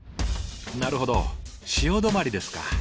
なるほど潮止まりですか。